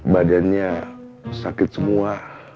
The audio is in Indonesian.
badannya sakit semua